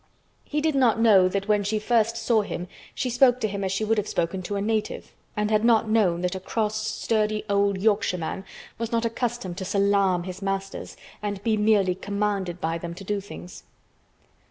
He did not know that when she first saw him she spoke to him as she would have spoken to a native, and had not known that a cross, sturdy old Yorkshire man was not accustomed to salaam to his masters, and be merely commanded by them to do things.